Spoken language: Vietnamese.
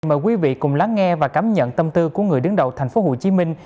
mời quý vị cùng lắng nghe và cảm nhận tâm tư của người đứng đầu thành phố hồ chí minh